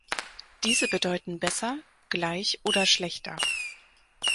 Diese bedeuten besser, gleich oder schlechter.